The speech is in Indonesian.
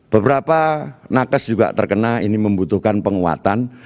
beberapa nakes juga terkena ini membutuhkan penguatan